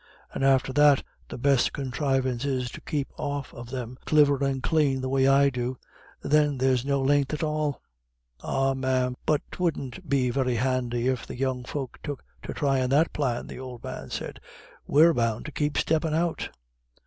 And after that, the best conthrivance is to keep off of them clivir and clane, the way I do. Then they're no len'th at all." "Ah, ma'am, but 'twouldn't be very handy if the young folk took to thryin' that plan," the old man said. "We're bound to keep steppin' out."